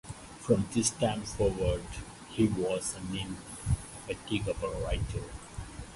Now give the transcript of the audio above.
From this time forward he was an indefatigable writer.